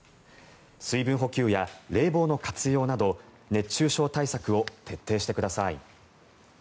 水分補給や冷房の活用など熱中症対策を徹底してください。